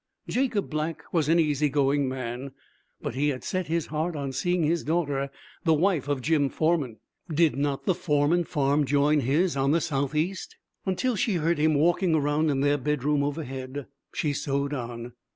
Jacob Black was an easygoing man. But he had set his heart on seeing his daughter the wife of Jim Forman. Did not the Forman farm join his on the southeast? Until she heard him walking around in their bedroom overhead, she sewed on.